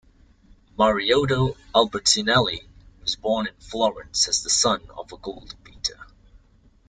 Mariotto Albertinelli was born in Florence as the son of a gold beater.